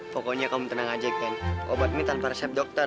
pokoknya kamu tenang aja kan obat ini tanpa resep dokter